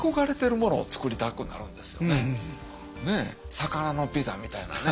魚のピザみたいなね。